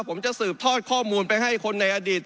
ผมจะสืบทอดข้อมูลไปให้คนในอดีต